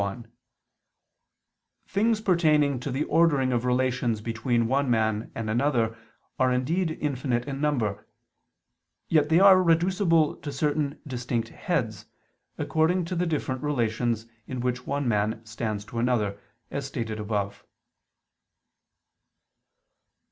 1: Things pertaining to the ordering of relations between one man and another are indeed infinite in number: yet they are reducible to certain distinct heads, according to the different relations in which one man stands to another, as stated above.